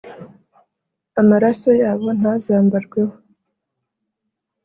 amaraso yabo ntazambarweho